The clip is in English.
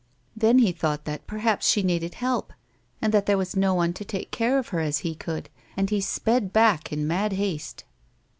Then, he thought, that perhaps she needed help and that there was no one to take care of her as he could, and he sped back in mad haste.